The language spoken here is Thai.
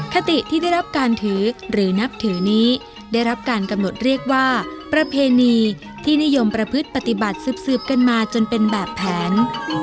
คติที่ได้รับการถือหรือนับถือนี้ได้รับการกำหนดเรียกว่าประเพณีที่นิยมประพฤติปฏิบัติสืบกันมาจนเป็นแบบแผน